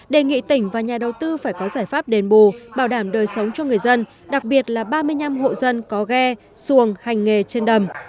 đề nghị tỉnh và nhà đầu tư phải có giải pháp đền bù bảo đảm đời sống cho người dân đặc biệt là ba mươi năm hộ dân có ghe xuồng hành nghề trên đầm